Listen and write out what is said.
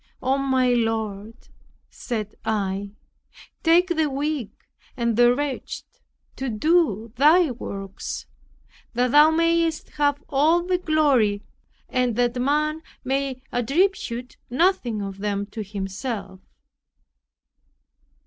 "Oh, my Lord," said I, "take the weak and the wretched to do thy works, that Thou mayest have all the glory and that man may attribute nothing of them to himself.